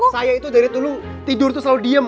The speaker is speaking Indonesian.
saya itu dari dulu tidur itu selalu diem